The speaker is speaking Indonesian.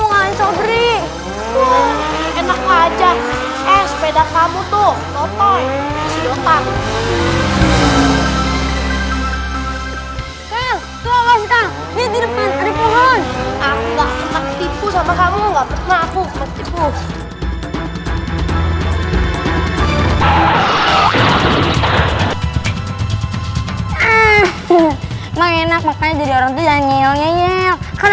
gila ini udah malem